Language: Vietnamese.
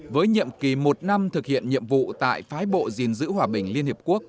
với nhiệm kỳ một năm thực hiện nhiệm vụ tại phái bộ gìn giữ hòa bình liên hiệp quốc